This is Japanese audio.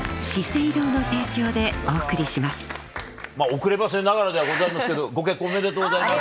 遅ればせながらではございますけどご結婚おめでとうございます。